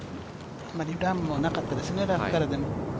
あまり段はなかったですね、ラフからでも。